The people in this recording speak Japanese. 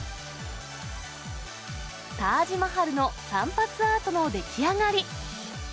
タージマハルの散髪アートの出来上がり。